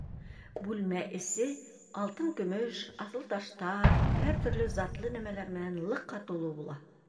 Бүлмә эсе алтын-көмөш, аҫыл таштар, һәр төрлө затлы нәмәләр менән лыҡа тулы була.